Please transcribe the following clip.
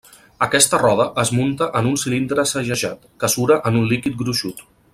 Aquesta roda es munta en un cilindre segellat, que sura en un líquid gruixut.